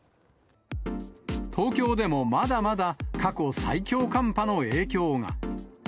東京でもまだまだ、過去最強寒波の影響が。